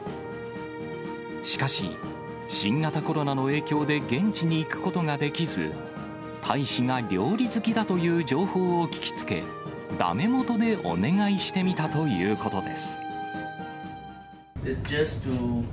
しかし、新型コロナの影響で現地に行くことができず、大使が料理好きだという情報を聞きつけ、だめもとでお願いしてみたということです。